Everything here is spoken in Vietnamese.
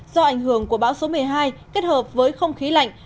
do ảnh hưởng của bão số một mươi hai kết hợp với không khí lạnh